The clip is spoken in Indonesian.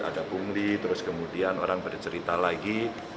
ada pungli terus kemudian orang bercerita lagi